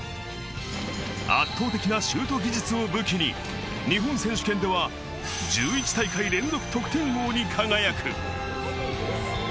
圧倒的なシュート技術を武器に日本選手権では１１大会連続得点王に輝く。